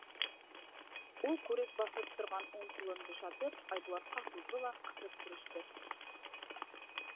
— Ул күрек баҫып торған уң ҡулын бушатып Айбулатҡа һуҙҙы ла ҡыҫып күреште.